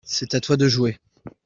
c'est à toi de jouer.